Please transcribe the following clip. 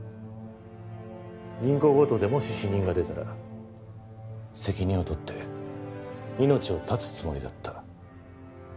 銀行強盗でもし死人が出たら責任を取って命を絶つつもりだった。